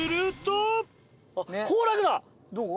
どこ？